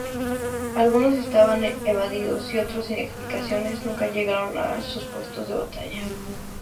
Algunos estaban evadidos y otros, sin explicaciones, nunca llegaron a sus puestos de batalla.